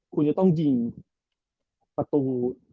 คุณจะต้องยิงประตู